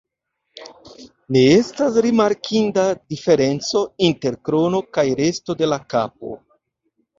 Ne estas rimarkinda diferenco inter krono kaj resto de la kapo.